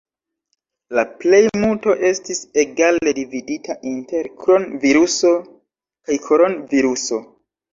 La plejmulto estis egale dividita inter kron-viruso kaj koron-viruso.